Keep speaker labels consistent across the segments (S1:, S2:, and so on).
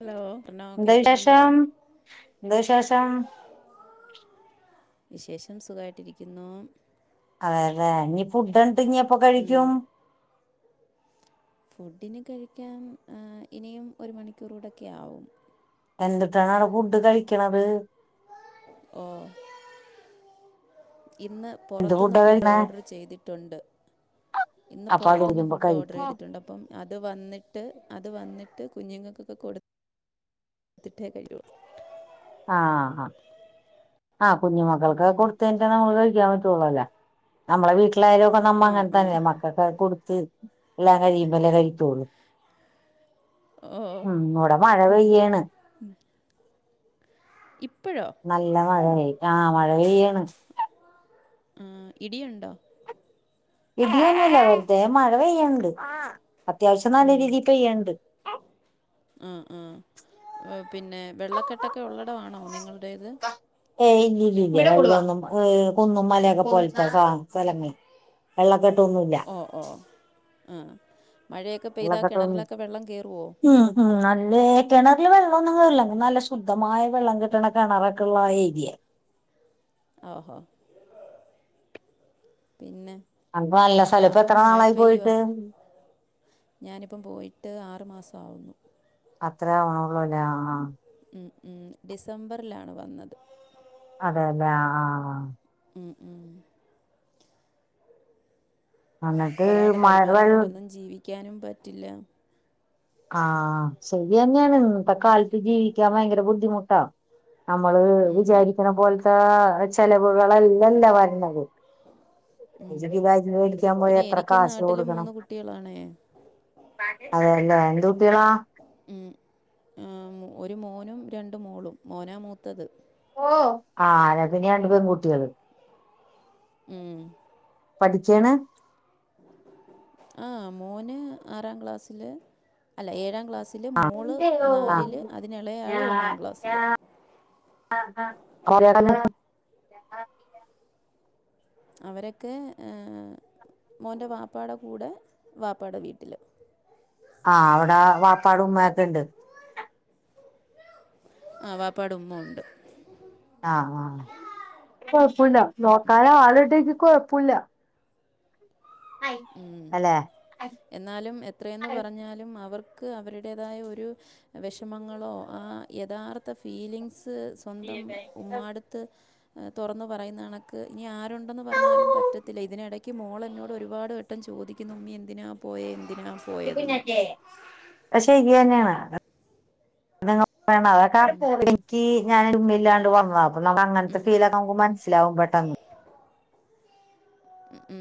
S1: Hello പറഞ്ഞോ കേൾക്കുന്നുണ്ടോ
S2: ദശേഷം ദശേഷം
S1: വിശേഷം സുഖമായിട്ടിരിക്കുന്നു
S2: അതെ അതെ നീ ഫുഡ ഇണ്ട് ഇപ്പൊ
S1: ഉം,
S2: കഴിക്കും
S1: ഫുഡിന് കഴിക്കാൻ ഇനിയും ഒരു മണിക്കൂറൂടെൊക്കെ ആവും
S2: എന്തിട്ടാണ് അവിട ഫുഡ് കഴിക്കണത്
S1: ഓ ഇന്ന്
S2: എന്ത്
S1: പുറത്തുന്ന്
S2: ഫുഡാ
S1: ഫുഡ്
S2: കഴിക്കണേ
S1: ഓർഡർ ചെയ്തിട്ടുണ്ട് ഇന്ന്
S2: അപ്പൊ അത്
S1: പുറത്തുനിന്ന്
S2: വരുമ്പോ
S1: ഫുഡ് ഓർഡർ
S2: കഴിക്കും
S1: ചെയ്തിട്ടുണ്ട് അപ്പം അത് വന്നിട്ട് അത് വന്നിട്ട് ട്ട് കുഞ്ഞുങ്ങൾക്കൊക്കെ കൊടുത്തിട്ടേ കുള്ളു
S2: ആ ആ ആഹ് കുഞ്ഞു മക്കൾക്ക് കൊടുത്തട്ട നമ്മൾ കഴിക്കാൻ പറ്റുള്ളൂല്ലേ നമ്മളെ വീട്ട മള്ളാരും ഒക്കെ നമ്മ
S1: ആ
S2: അങ്ങനെ
S1: ആ
S2: തന്നെ മക്കൊക്കെ കൊടുത്ത് എല്ലാം കഴിയുമ്പോലേ കഴിക്കുള്ളൂ
S1: ഓ
S2: ഉം ഇവിടെ മഴ പെയ്യാണ്
S1: ഇ്
S2: നല്ല മഴയായി ആ മഴ പെയ്യാണ്
S1: ആ ഇടി ഉണ്ടോ
S2: ഇടന്നല്ല വെറുതെ മഴ പെയ്യണ്ട് അത്യാവശ്യം നല്ല
S1: ഉം,
S2: രീതി പെയ്യണ്ട്
S1: ആ ആ പിന്നെ വെള്ളക്കെട്ടൊക്കെ ഉള്ളട ആണോ നിങ്ങളടേത്
S2: ഏ ഇല്ല ഇല്ല ഇല്ല കൂടുതൊന്നും ഏ കുന്നും മലയൊക്കെ പോലത്തെ സ്ഥലങ്ങള വെള്ളക്കെട്ട
S1: ഓ ഓ ആ മഴയൊക്കെ പെയ്താൽ
S2: വെള്ളക്കെട്ടൊന്നില്ല
S1: കിണറിലൊക്കെ വെള്ളം കയറുമോ
S2: ആ ആ നല്ലേ കിണറില് വെള്ളമൊന്നുംല്ല നല്ല ശുദ്ധമായ വെള്ളം കിട്ടണ കിണറക്കെള്ള ആ ഏരിയൽ
S1: ഓഹോ പിന്നെ
S2: അപ്പ നല്ല സ്ഥലപ്പോ
S1: അപ്പം
S2: എത്ര
S1: മഴ
S2: നാളായി
S1: പെയ്യുക
S2: പോയിട്ട്
S1: ഞാനിപ്പം പോയിട്ട് ആറു മാസമാവുന്നു
S2: അത്രേ ആവ്ണുള്ളൂല്ലേ ആ ആ
S1: ഉം ഉം ഡിസംബറിലാണ് വന്നത്
S2: അതെല്ലേ ആ ആ ആ
S1: ഉം ഉം
S2: അന്നിട്ട് [unintelligible]
S1: ക്കാനും പറ്റില്ല
S2: ആ ആ ശരിന്നെണ് ഇന്നത്തെ കാലത്ത് ജീവിക്കാൻ ഭയങ്കര ബുദ്ധിമുട്ടാ നമ്മള്
S1: ഉം.
S2: വിചാരിക്കണ പോലത്തെ ചെലവുകളെല്ലെല്ലാ വരണത് [unintelligible] മേടിക്കാൻ പോയ
S1: പിന്നെ
S2: എത്ര
S1: എനിക്ക്
S2: കാശ്
S1: നാട്ടിലും
S2: കൊടുക്കണം
S1: മൂന്ന് കുട്ടികളാണേ
S2: അതെല്ലേ എന്ത് കുട്ടികളാ
S1: ഉം ആഹ് മോ ഒരു മോനും രണ്ട് മോളും മോനാ മൂത്തത്
S2: ഓ [unintelligible] പിന്നെ രണ്ട് പെൺകുട്ടികള്
S1: ഉം
S2: പഠിക്ക്ണ്
S1: ആ മോന് ആറാം ക്ലാസ്സില് അല്ല ഏഴാം ക്ലാ സ്സില്
S2: ആ
S1: മോള് നാലില് അതിനെളയാള് ഒന്നാം ക്ലാസ്സില്
S2: [inaudible]
S1: അവരൊക്കെ ഏഹ് മോന്റെ വാപ്പാട കൂടെ വാപ്പാട വീട്ടില്
S2: ആ അവിടെ വാപ്പാട ഉമ്മയൊക്കണ്ട്
S1: ആ വാപ്പാട ഉമ്മ ഉണ്ട്
S2: ആ ആ കൊഴപ്പോല്ല നോക്കാനാളുണ്ടെങ്കി കൊഴപ്പോല്ല
S1: ഉം എന്നാലും എത്രയെന്ന് പറഞ്ഞാലും അവർ ക്ക് അവരുടേതായ ഒരു വിഷമങ്ങളോ ആ യഥാർത്ഥ ഫീലിങ്സ് സ് സ്വന്തം ഉമ്മാട്ത്ത് ഏഹ് തൊറന്ന് പറയുന്നണക്ക് ഇനി ആരുണ്ടന്ന് പറഞ്ഞാലും പറ്റത്തില്ല ഇതിനിടയ്ക്ക് മോളെന്നോട് ഒരുപാട് വ ട്ടം ചോദിക്കുന്നു ഉമ്മി എന്തിനാ പോയന്ന്
S2: അത് ശരിന്നെനാണ് [unintelligible] വേണം അതൊക്ക എനിക്ക് ഞാന് ഉമ്മില്ലാണ്ട് വന്നതാ അപ്പൊ അങ്ങനത്തെ ഫീലക്ക നമ്മുക്ക് മനസ്സിലാവും പെട്ടെന്ന്
S1: ഉം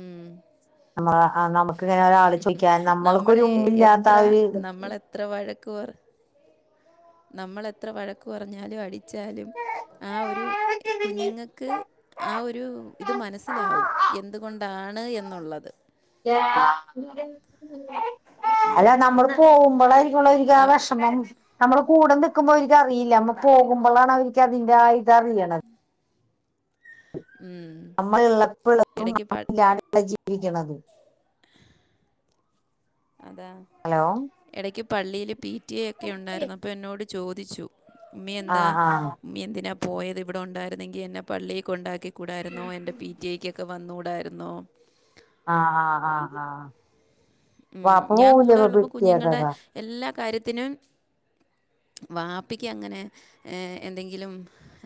S2: നമ്മടെ ആ നമ്മ്ക്ക്ങ്ങനെ ഒരാള് ചോയ്ക്കാൻ നമ്മള്ക്കൊരു
S1: നമ്മളെ
S2: ഉമ്മില്ലാത്ത ആ ഒരു തൊക്കെ
S1: കൊർ നമ്മൾ എത്ര വഴക്ക് പറഞ്ഞാലും അടിച്ചാലും ആ ഒരു കുഞ്ഞ്ങ്ങക്ക് ആ ഒരു ഇത് മ മനസ്സിലാവും എന്തുകൊണ്ടാണ് എന്നുള്ളത്
S2: അല്ല നമ്മള് പോവുമ്പളായിരിക്കും [unintelligible] ആ വെഷമം നമ്മള് കൂടെ നിൽക്കുമ്പോ ഇവര്ക്കറിയില്ല നമ്മ പോകുമ്പളാണ് അവര്ക്കതിന്റെ ആ ഇത് അറിയണ നമ്മള് ഇളപ്പോ ഇള്ളതും
S1: ഇടയ്ക്ക് പ
S2: നമ്മ ഇല്ലാത് ള്ള ജീവിക്കണതും
S1: അതാ എടക്ക് പള്ളിയില് പി ടി എ യൊക്കെ ഉണ്ടായിരുന്നപ്പൊ എന്നോട് ചോദിച്ചു ഉമ്മീ എന്താ
S2: ആഹ് ആഹ്
S1: ഉമ്മി എന്തിനാ പോയത് ഇവിടെ ഉണ്ടായിരുന്നെങ്കി എന്നെ പള്ളീ കൊണ്ടാക്കി കൂടായിരുന്നോ എന്റെ പി ടി ഐ ക്കൊക്കെ വന്നൂടായിരുന്നോ
S2: ആ ആ ആ ആ
S1: ഉം ഞാൻ കൂടെ ഉള്ളപ്പോ കുഞ്ഞുങ്ങള്ടെ എല്ലാ കാര്യത്തിനും വാപ്പിക്ക് അങ്ങനെ ഏ എന്തെങ്കിലും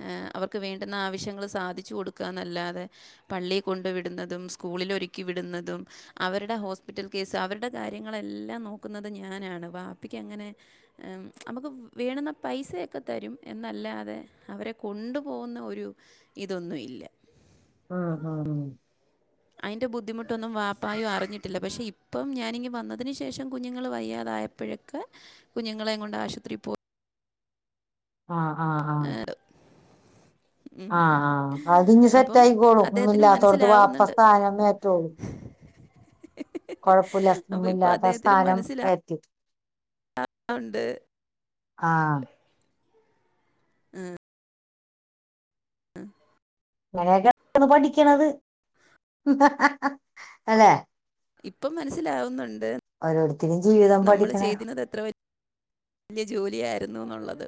S1: ഏ അവർക്ക് വേണ്ട്ന്ന ആവശ്യങ്ങള് സാധി ച്ചു കൊടുക്കന്നല്ലാതെ പള്ളികൊണ്ട് വിട്ന്നതും സ്കൂളില് ഒരുക്കി വിട്ന്നതും അവര്ടെ ഹോസ് പിറ്റൽ കേസ് ധ അവര്ടെ കാര്യങ്ങളെല്ലാം നോക്കുന്നത് ഞാനാണ് വാപ്പിക്കങ്ങനെ ഏഹ് അമ്മ്ക്ക് വേണുന്ന പൈസയൊക്കെ തരും എന്നല്ലാതെ അവരെ കൊണ്ടു പോവ്ന്ന ഒരു ഇതൊന്നും ഇല്ല
S2: ആഹ് ഹഹ
S1: അയ്ന്റെ ബുദ്ധിമുട്ടൊന്നും വാപ്പായു അറിഞ്ഞിട്ടില്ല പക്ഷെ ഇപ്പം ഞാനിങ്ങ് വന്നതിന് ശേഷം കുഞ്ഞുങ്ങള് വയ്യാതാ ആയപ്പഴക്കെ കുഞ്ഞുങ്ങളെ കൊണ്ട് ആശുപത്രിയിൽ പോ
S2: ആഹ് ആഹ് ആഹ്
S1: ഉം.
S2: ആഹ് ആഹ് അതിഞി
S1: അപ്പം
S2: സെറ്റാ യിക്കോളും
S1: അദ്ദേഹത്തിന്
S2: ഇല്ലാത്തോട്ത്ത് വാപ്പ
S1: മനസ്സിലാവുന്നുണ്ട്
S2: സ്ഥാനം ഏറ്റോളും കൊഴപ്പുല്ല
S1: അപ്പോൾ ഇപ്പോൾ
S2: വല്ലാത്ത
S1: അദ്ദേഹത്തിന്
S2: സ്ഥാനം ഏത്തി
S1: ആഹ് ഉണ്ട്.
S2: ആഹ്
S1: ആ [unintelligible]
S2: ങ്ങനെക്കെണ് പഠിക്യണത് അല്ലേ
S1: ഇപ്പം മനസ്സിലാവുന്നു ൺ
S2: ഓരോരുത്തിരിം ജീവിതം പഠിക്ക്ണേ
S1: വേല്യ ജോലിഅരുന്നു ന്നോള്ളത്.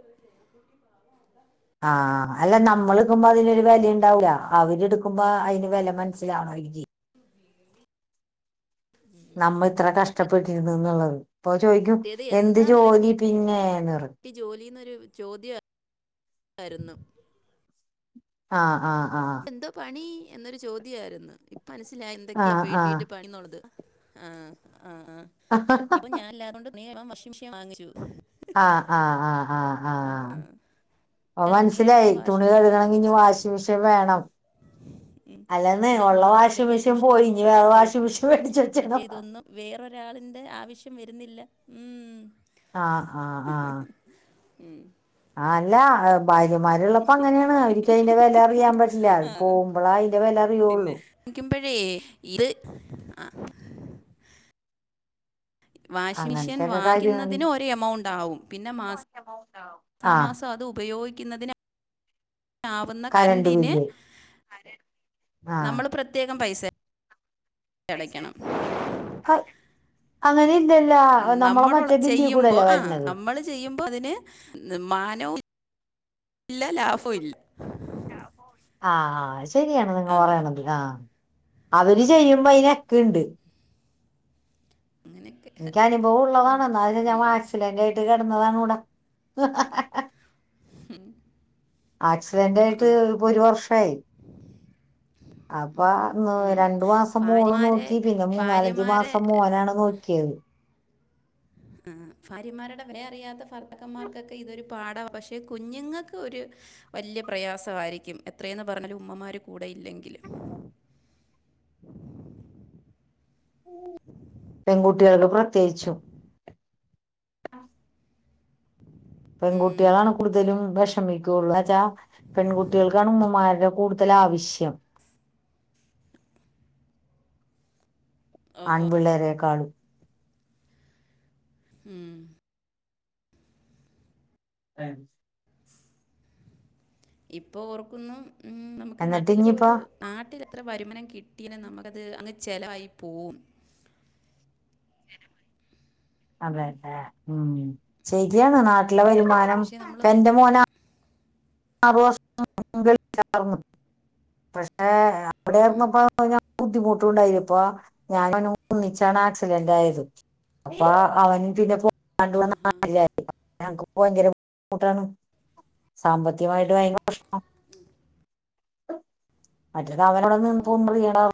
S2: ആഹ് അല്ല നമ്മൾ നുംമ്പോ അതിലൊരു വെലിണ്ടാവൂല
S1: ഉം.
S2: അവര്ട് കുമ്പാ ഐൻ്റെ വെല മനസ്സിലാവണോ രിങ്കി നമ്മൾത്ര കഷ്ടപ്പെട്ടിരുന്നു ന്നുള്ളത്. പ്പൊ ചോയിക്യും
S1: മറ്റേത്
S2: എന്ത്
S1: എന്താ നിനക്ക്
S2: ജോലി പിന്നെ ന്നറിം
S1: വീട്ടിൽ [unintelligible]
S2: ആഹ് ആഹ് ആഹ്
S1: എന്തോ പണി എന്നൊരു ചോദ്യാരുന്നു ഇപ്പനസ്സിലായ് എന്തൊക്കെയാ പേ
S2: ആഹ്
S1: വീട്ട് പണിന്നുള്ളത്. ആഹ് ആഹ്
S2: ആഹ്
S1: ഇപ്പ ഞാൻല്ലാത്തോണ്ട് മേവം വർഷ് മിശ്യേൻ വാങ്ങിച്ചു.
S2: ആഹ് ആഹ് ആഹ് ആഹ് ആഹ്
S1: ആ,
S2: ആഹ്
S1: ആ. ഞാൻ തുണി
S2: അവോൻസ്സിലായി
S1: കഴുവാൻ
S2: തുണി
S1: വാഷിംഗ് മെഷീൻ
S2: കഴുകണെങ്കി ഞ്
S1: വാങ്ങിച്ചു
S2: വാഷിം മിഷേൻ വേണം.
S1: ഉം
S2: അല്ലെന്ന്
S1: പിന്നെ
S2: ഉള്ള
S1: കുഞ്ങ്ങളെ
S2: വാഷിംഗ്
S1: പഠിപ്പിക്ക്യാൻ
S2: മെഷീൻ പോയി ഇനി
S1: പുഷ്യനിടണോന്ന്
S2: വേറെ
S1: പറയുന്ന
S2: വാഷിംഗ്
S1: കേട്ടു
S2: മെഷീൻ മേടിച്ച്
S1: മറ്റേ
S2: വെച്ചണം
S1: ഇതൊന്നും വേറൊരാളിന്റെ ൻ്റ ആവശ്യം വരുന്നില്ല ഉം
S2: ആ ആ ആ
S1: ഉം
S2: ആഹ് അല്ല ഭാര്യമാരുള്ളപ്പോ അങ്ങനെയാണ് അവരിക്ക അയിന്റെ വെല അറിയാൻ പറ്റില്ല
S1: ആ
S2: പോവുമ്പളാ അയിന്റെ വെല അറിയുള്ളു
S1: ഇപഴേ ഇത് ആ വാഷിംഗ മെഷീൻ
S2: അങ്ങനത്തെയൊക്കെ കാര്യങ്ങൾ
S1: വാങ്ങിന്നതിന് ഒരു എമൗണ്ട് ആവും പിന്നെ മാസ്
S2: ആഹ്
S1: താമാസം അതു ഉപയോഗിക്കുന്നതിന് ആവുന്ന
S2: കരണ്ട്
S1: കരണ്ടിന്
S2: ബില്ല്
S1: നമ്മൾ
S2: ആഹ്
S1: പ്രത്യേകം പൈസ അടക്കണം
S2: അങ്ങനെ ഇല്ലല്ല നമ്മളെ
S1: നമ്മള്
S2: മറ്റേ ബില്ലിൽ
S1: ചെയ്യുമ്പോ
S2: കൂടെയല്ലേ
S1: ആ
S2: വരണത്
S1: നമ്മള് ചെയ്യുമ്പോ അതിന് മാനോ ഇല്ല ലാഭവും ഇല്ല
S2: ആഹ് ആ ശരിയാണ് നിങ്ങൾ പറയണത് ആഹ് അവര് ചെയ്യുമ്പോ അയിനക്കെണ്ട്.
S1: അങ്ങനെയൊക്കെ
S2: എനിക്ക് അനുഭവം ഉള്ളതാണ്. എന്നാലും ഞാൻ വാക്സിലന്റ് ആയിട്ട് ഇട്ട് കിടന്നതാണുട.
S1: ഉം
S2: ആക്സിഡന്റ് ആയിട്ട് ഇപ്പൊ ഒരു വർഷായി. അപ്പൊ
S1: ഉം.
S2: രണ്ടു മാസം മോളും
S1: ഭാര്യമാരെ
S2: നോക്കി പിന്നെ
S1: ഭാര്യമാരെ
S2: മൂന്നാലഞ്ച്മാസം മോനാണ് നോക്കിയത്. [unintelligible]
S1: ആ ഫാര്യമാരുടെ വെല അറിയാത്ത ഫർത്താക്കന്മാർക്കൊക്കെ ഇതൊരു പാടാ പക്ഷെ കുഞ്ഞുങ്ങൾക്ക് ഒരു യ് വല്യയ പ്രയാസായിരിക്യും എത്രയെന്നാ പറഞ്ഞലുമ്മമാര് കൂടെ ഇല്ലങ്കിൽ
S2: [inaudible]
S1: [inaudible]
S2: പെൺകുട്ടികൾക്ക് പ്രത്യേകിചും പെൺകുട്ടികളാണ് കൂടുതലും വെ ശ്രമിക്കുള്ളു അച്ചാ പെൺകുട്ടികൾക്കാണ് ഉമ്മമാര്ടെ കൂടുതൽ ആവശ്യം ആൺപിള്ളേരെകാളും
S1: ഉം
S2: [unintelligible]
S1: ഇപ്പം ഓർക്കുന്നു ഉം നമുക്ക്
S2: എന്നിട്ട്
S1: നാട്ടില്
S2: ഇനിയിപ്പോ
S1: ഒരു നാട്ടിൽ അത്ര വരുമാനം കി കിട്ടീനെ നമുക്കത് അങ്ങ് ചെലവായി പോവും
S2: അതേല്ലെ ഉം ശെരിയാണ് നാട്ടിലെ വരുമാനം
S1: പക്ഷേ നമ്മൾ
S2: എന്റെ മോനാ [inaudible] പക്ഷെ അവിടാർന്നപ്പം [inaudible] ബുദ്ധിമുട്ടുണ്ടായിപ്പോ ഞാൻ [inaudible] ഒന്നിച്ചാണ് ആക്സിഡന്റ് ആയത് അപ്പാ അവന് പിന്നെ പോ [inaudible] ഭയങ്കര ബുദ്ധിമുട്ടാണ് സാമ്പത്ത് കത്യമായിട്ട് ഭയര പ്രഷ്നാണ്
S1: ഉം
S2: മറ്റേത് അവനവന് [inaudible]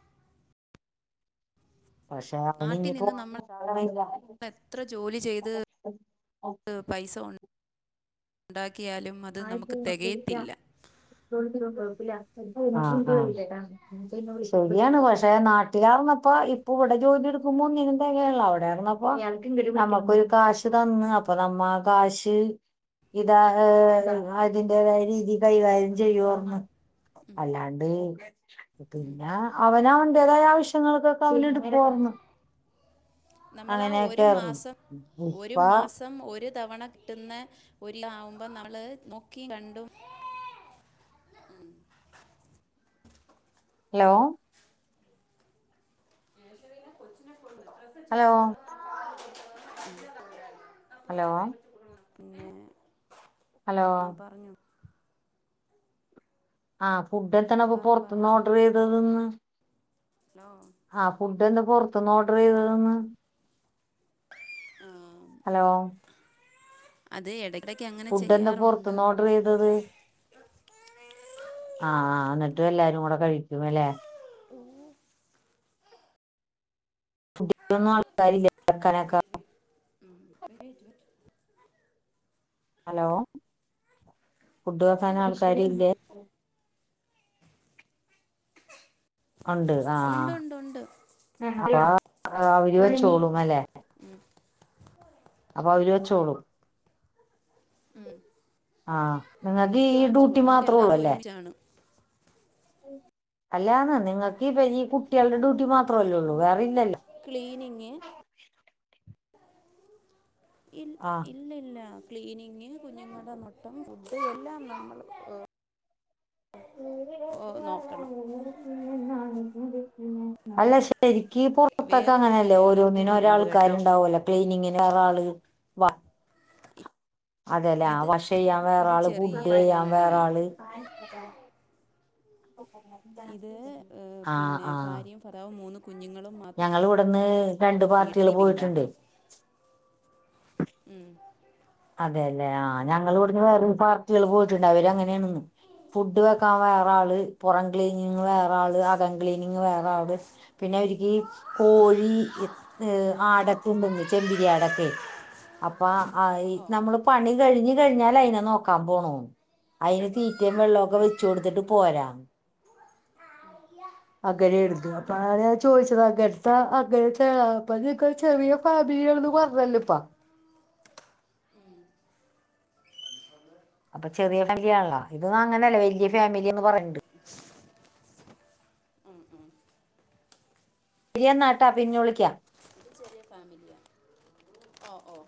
S2: പക്ഷെ അവന്
S1: നാട്ടിൽ
S2: ഇനി
S1: നിന്നും
S2: പോവാൻ
S1: നമ്മൾ എത്ര ജോലി ചെയ്ത് പൈസ ഉണ്ടാ
S2: [inaudible] ആഹ് ആഹ് [inaudible] പിന്നെ ശെരിയാണ് പക്ഷെ നാട്ടുകാർ മൊത്തോം ഇപ്പോ ഇവിടെ ജോലി എടുക്കുമ്പോ ഒന്നിനും തെകയണില്ല അവിടെയാ ന്നപ്പോ [unintelligible] നമ്മക്കൊരു കാശ് തന്ന് അപ്പൊ നമ്മ ആ കാശ് ഇതാ ഏ അതിന്റേതായ രീതി കൈകാര്യം ചെയ്യുർവാവന്നു അല്ലാണ്ട് പിന്നെ അവന് അവന്റേതായ ആവശ്യങ്ങൾക്കൊക്കെ അവന് എടുക്കുവാർന്നു
S1: നമ്മൾ ആ ഒരു മാസം ഒരു
S2: ഇപ്പ
S1: മാസം ഒര് തവണ കിട്ടുന്ന ഒരുലാവുമ്പം നമ്മള് നോക്കി കണ്ടു
S2: [inaudible] ഹലോ ഹലോ
S1: [inaudible]
S2: ഹലോ
S1: പിന്നെ
S2: ഹലോ
S1: ആ പറഞ്ഞോ
S2: ആഹ് ഫുഡ് എത്തണപ്പം
S1: പറഞ്ഞു
S2: പുറത്ത്ന്ന് ഓർഡർ ചെയ്ത് തന്ന്
S1: ആ
S2: ആഹ് ഫുഡ് എന്താ പുറത്തുന്ന് ഓർഡർ ചെയ്തതെന്ന്
S1: ആ
S2: ഹലോ
S1: അത് എടക്
S2: ഫുഡ് എന്താ പുറത്തുന്ന് ഓർഡർ ചെയ്തത് ആഹ് ആഹ് എന്നിട്ട് എല്ലാരും കൂടെ കഴിക്കും അല്ലേ
S1: ഓ
S2: [inaudible] ആൾക്കാരില്ലേ കെടക്കാനൊക്കെ
S1: ഉം [unintelligible]
S2: ഹലോ ഫുഡ് വെക്കാൻ ആൾക്കാരി ഇല്ലേ ഉണ്ട്
S1: ഉണ്ട്
S2: ആഹ്
S1: ഉണ്ട് ഉണ്ട്
S2: അപ്പം അവര് വെച്ചോളും അല്ലേ അപ്പം അവര് വെച്ചോളും
S1: ഉം
S2: ആഹ് നിങ്ങക്ക് ഈ ഡ്യൂട്ടി മാത്രേ ഉള്ളൂ
S1: എല്ലാവരും
S2: അല്ലേ
S1: ഒരുമിച്ചാണ്
S2: അല്ലാന്ന് നിങ്ങക്ക് ഈ വലിയ കുട്ടികൾടെ
S1: അല്ല
S2: ഡ്യൂട്ടി മാത്രവല്ലെ ഉള്ളൂ വേറെ ഇല്ലല്ലോ
S1: നിങ്ങേ ഇൽ
S2: ആഹ്
S1: ഇല്ല ഇല്ല ക്ലീനിങ് കുഞ്ഞുങ്ങളുടെ നൊട്ടം ഫുഡ് എല്ലാം നമ്മൾ നോക്കണം
S2: അല്ല ശരി ഈ പുറത്തസ്ഥലത്ത
S1: വേറെ ഒരു
S2: അങ്ങനെല്ല
S1: മലയാളിയും
S2: ഓരോന്നിനും
S1: കൂടി ഉണ്ട് കേട്ടോ
S2: ഒരാൾക്കാരുണ്ടാവുമല്ല ക്ലീനിങ്ങന് വേറ ആള് വ അതെല്ലേ
S1: ഇത്
S2: വാഷ് ചെയ്യാൻ വേറ
S1: ഇത്
S2: ആള്
S1: ചെറിയ
S2: ഫുഡ്ഡ് ചെയ്യാൻ
S1: വീടാണേ
S2: വേറ ആള്
S1: ഇത് ഏ
S2: ആഹ്
S1: പിന്നെ
S2: ആഹ്
S1: ഭാര്യയും ഫര്ദാവും മൂന്നും
S2: ഞങ്ങൾ ഇവിടുന്ന് രണ്ട്
S1: വീ
S2: പാർട്ടികൾ
S1: ചെറിയ വീടാ
S2: പോയിട്ടുണ്ട്
S1: ഉം
S2: അതെയല്ലേ ആ ഞങ്ങൾ ഇവിടുന് വേറെ പാർട്ടികള് പോയിട്ടുണ്ട് അവര് അങ്ങനെയണന്ന്. ഫുഡ് വെക്കാൻ വേറെ ആള് പുറം ക്ലീനിങ് വേറ ആള് അകം ക്ലീനിങ് വേറ ആള് പിന്നെ കോഴി ഏ് ആടക്കെ ഉണ്ടല ചെമ്പിരിയാടൊക്കെ അപ്പ ആ
S1: ഓ ഓ
S2: നമ്മള് പണി കഴിഞ്ഞ് കഴിഞ്ഞാല അയിനെ നോക്കാൻ പോണൊ അയിന്
S1: ബേബി
S2: തീറ്റയും
S1: സ്ലീപ്
S2: വെള്ളമൊക്കെ വെച്ച
S1: ആ
S2: കൊടുത്തിട്ട്
S1: ബേബി സ്ലീപ്
S2: പോരാം അങ്ങനെ എടുതു അപ്പൊ ഞാൻ ചോദിച്ചത് അങ്ങത്തെ അങ്ങന അപ്പ നി ചെറിയ പനി ചെയ്യര്ത് പറഞതല്ല ഉപ്പാ അപ്പൊ ചെറിയ ഫാമിലിയാണല്ല ഇത് അങ്ങനല്ലേ വലിയ ഫാമിലിന്ന് പറയണ്ട് ശരിയന്നാട്ടാ പിഞ്ഞുളിക്കാം
S1: ലിയ ഫാമിലിയാ ഓ ഓ